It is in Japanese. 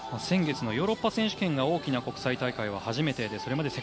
先月のヨーロッパ選手権が大きな国際大会は初めてでした。